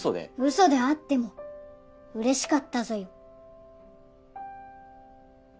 嘘であっても嬉しかったぞよ。